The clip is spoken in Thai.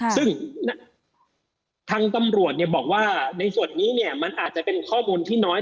ซึ่งทางตำรวจบอกว่าในส่วนนี้มันอาจจะเป็นข้อมูลที่น้อย